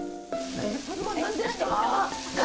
何ですか？